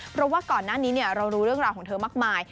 เพราะว่าก่อนหน้านี้เรารู้เรื่องราวของเธอมากมาย